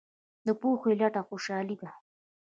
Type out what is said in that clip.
د پوهې لټه خوشحالي ده.